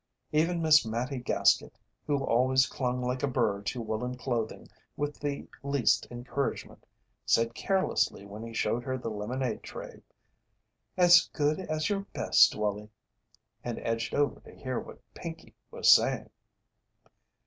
Even Miss Mattie Gaskett, who always clung like a burr to woollen clothing with the least encouragement, said carelessly when he showed her the lemonade tray: "As good as your best, Wallie," and edged over to hear what Pinkey was saying.